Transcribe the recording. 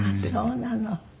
そうなの！